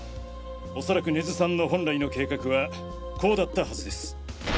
恐らく根津さんの本来の計画はこうだったはずです。